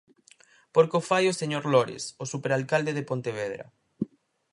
Porque o fai o señor Lores, o superalcalde de Pontevedra.